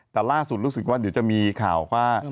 แต่ล่าสุดรู้สึกว่าเดี๋ยวจะมีข่าวว่า